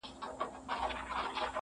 لکه سايه راپورې ـ پورې مه ځه,